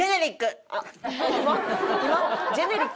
ジェネリック！